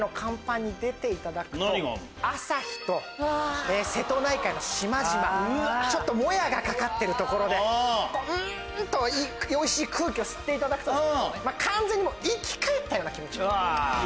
朝日と瀬戸内海の島々ちょっともやがかかってるところでうん！とおいしい空気を吸っていただくと完全に生き返ったような気持ちに。